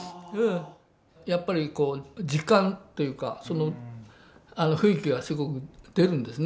やっぱり実感というか雰囲気がすごく出るんですね